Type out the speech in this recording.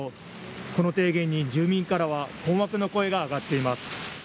この提言に住民からは困惑の声が上がっています。